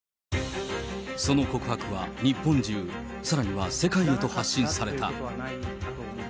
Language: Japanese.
その告白は日本中、さらには世界へと発信された。